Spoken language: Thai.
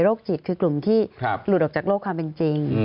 จิตคือกลุ่มที่หลุดออกจากโลกความเป็นจริง